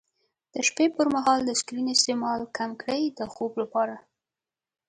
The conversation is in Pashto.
د شپې پر وخت د سکرین استعمال کم کړئ د خوب لپاره.